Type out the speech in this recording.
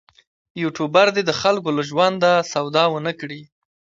یوټوبر دې د خلکو له ژوند سودا ونه کړي.